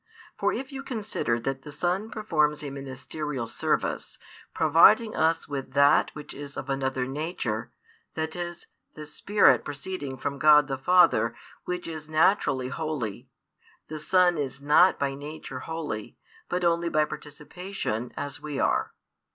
For if you consider that the Son performs a ministerial service, providing us with That which is of another Nature, that is, the Spirit proceeding from God the Father Which is naturally holy, the Son is not by Nature holy, but only by participation, as we are.